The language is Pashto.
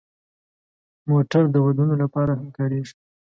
موټر د ودونو لپاره هم کارېږي.